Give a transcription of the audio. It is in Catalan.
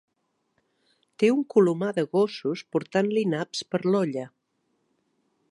Té un colomar de gossos portant-li naps per a l'olla.